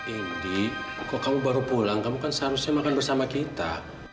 ini kok kamu baru pulang kamu kan seharusnya makan bersama kita